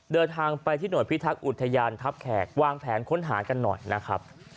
เดินทางไปที่หน่วยพิทักษ์อุทยานทัพแขกวางแผนค้นหากันหน่อยนะครับ